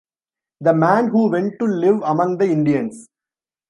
The man who went to live among the Indians.